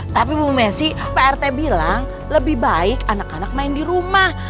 tapi bu messi prt bilang lebih baik anak anak main di rumah